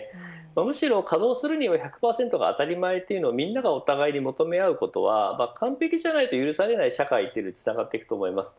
むしろ稼働するには１００％が当たり前というのをみんながお互いに求め合うことは完璧ではないと許されない社会につながっていくと思います。